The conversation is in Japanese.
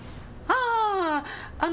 ああ。